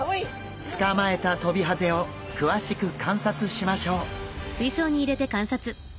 捕まえたトビハゼを詳しく観察しましょう。